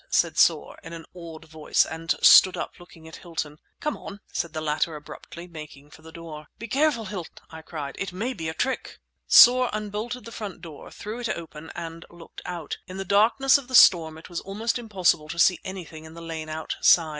said Soar, in an awed voice, and stood up, looking at Hilton. "Come on," said the latter abruptly, making for the door. "Be careful, Hilton!" I cried; "it may be a trick!" Soar unbolted the front door, threw it open, and looked out. In the darkness of the storm it was almost impossible to see anything in the lane outside.